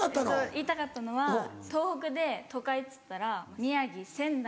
言いたかったのは東北で都会っつったら宮城・仙台。